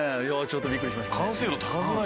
ちょっとびっくりしましたね。